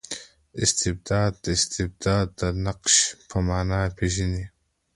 استبداد د استبداد د نقش په مانا پېژني.